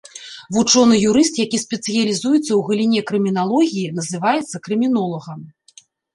Вучоны-юрыст, які спецыялізуецца ў галіне крыміналогіі, называецца крымінолагам.